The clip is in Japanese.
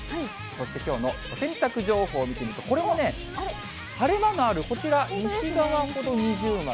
そしてきょうのお洗濯情報を見てみると、これもね、晴れ間があるこちら、西側ほど二重丸。